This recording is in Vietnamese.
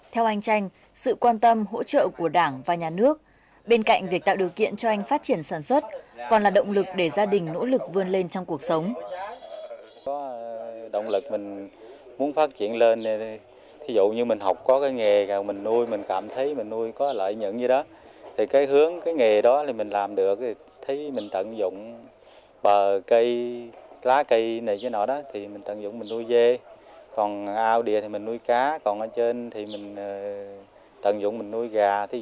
theo anh tranh sự quan tâm hỗ trợ của đảng và nhà nước bên cạnh việc tạo điều kiện cho anh phát triển sản xuất còn là động lực để gia đình nỗ lực vươn lên trong cuộc sống